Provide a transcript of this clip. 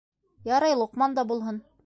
Ярай, Лоҡман да булһын!